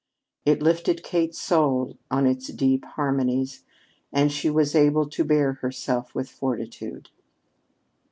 It lifted Kate's soul on its deep harmonies, and she was able to bear herself with fortitude.